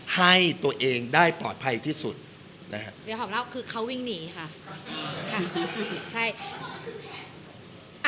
ให้ตัวเองได้ปลอดภัยที่สุดนะฮะเดี๋ยวหอมเล่าคือเขาวิ่งหนีค่ะค่ะใช่